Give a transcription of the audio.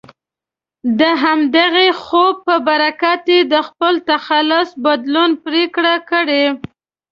د همدغه خوب په برکت یې د خپل تخلص بدلون پرېکړه کړې.